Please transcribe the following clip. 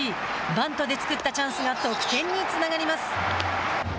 バントで作ったチャンスが得点につながります。